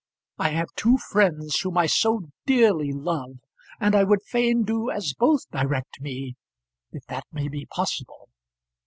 I have two friends whom I so dearly love, and I would fain do as both direct me, if that may be possible.